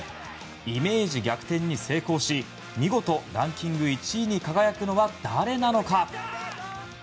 イメージ逆転に成功し見事、ランキング１位に輝くのは誰なのか？